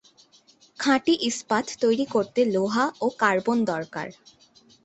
খাঁটি ইস্পাত তৈরি করতে লোহা ও কার্বন দরকার।